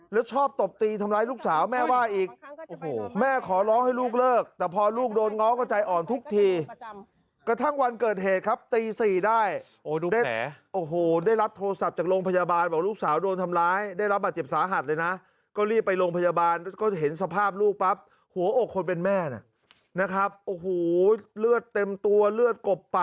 แล้วชอบตบตีทำร้ายลูกสาวแม่ว่าอีกโอ้โหแม่ขอร้องให้ลูกเลิกแต่พอลูกโดนง้อก็ใจอ่อนทุกทีกระทั่งวันเกิดเหตุครับตี๔ได้โอ้โหได้รับโทรศัพท์จากโรงพยาบาลบอกลูกสาวโดนทำร้ายได้รับบาดเจ็บสาหัสเลยนะก็รีบไปโรงพยาบาลแล้วก็เห็นสภาพลูกปั๊บหัวอกคนเป็นแม่น่ะนะครับโอ้โหเลือดเต็มตัวเลือดก